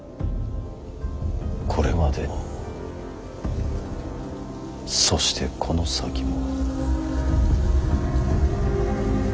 これまでもそしてこの先も。